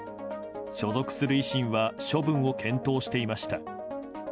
所属する維新は処分を検討していました。